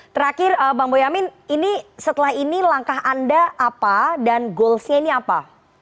terakhir bang boyamin ini setelah ini langkah anda apa dan goalsnya ini apa